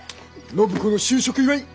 暢子の就職祝い！